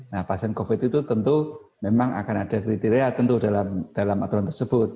nah pasien covid itu tentu memang akan ada kriteria tentu dalam aturan tersebut